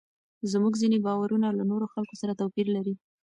زموږ ځینې باورونه له نورو خلکو سره توپیر لري.